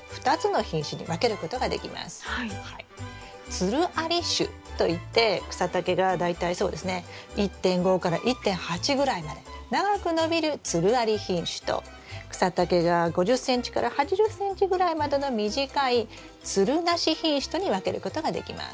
「つるあり種」といって草丈が大体そうですね１．５から１．８ぐらいまで長く伸びるつるあり品種と草丈が５０ｃｍから８０ｃｍぐらいまでの短いつるなし品種とに分けることができます。